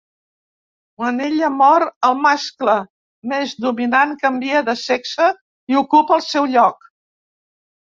Quan ella mor, el mascle més dominant canvia de sexe i ocupa el seu lloc.